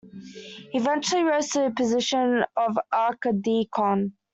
He eventually rose to the position of archdeacon.